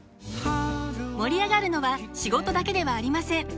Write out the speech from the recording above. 盛り上がるのは仕事だけではありません。